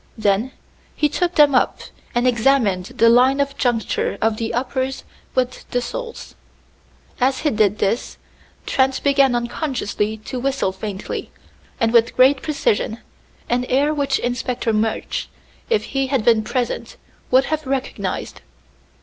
Then he took them up and examined the line of juncture of the uppers with the soles. As he did this, Trent began unconsciously to whistle faintly, and with great precision, an air which Inspector Murch, if he had been present, would have recognized.